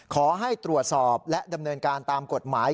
ขอให้ตรวจสอบและดำเนินการตามกฎหมาย